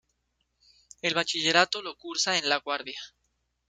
El bachillerato lo cursa en La Guardia.